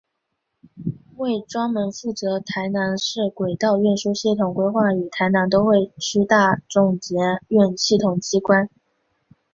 为专门负责台南市轨道运输系统规划与台南都会区大众捷运系统机关。